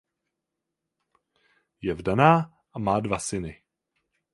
Je vdaná a má dva syny.